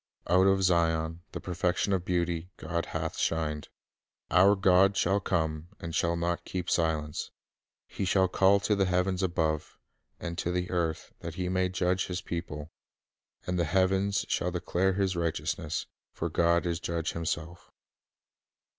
Out of Zion, the perfection of beauty, God hath shined. Our God shall come, and shall not keep silence." " He shall call to the heavens above, And to the earth, that He may judge His people; ... And the heavens shall declare His righteousness; For God is judge Himself."